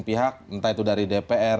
pihak entah itu dari dpr